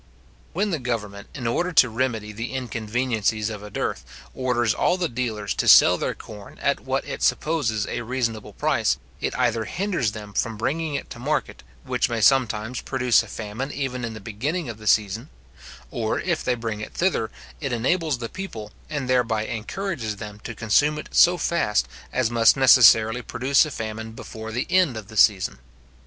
When the government, in order to remedy the inconveniencies of a dearth, orders all the dealers to sell their corn at what it supposes a reasonable price, it either hinders them from bringing it to market, which may sometimes produce a famine even in the beginning of the season; or, if they bring it thither, it enables the people, and thereby encourages them to consume it so fast as must necessarily produce a famine before the end of the season.